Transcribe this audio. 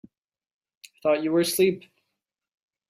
I thought you were asleep.